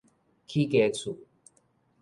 起家厝